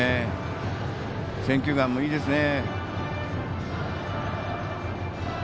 選球眼もいいですね。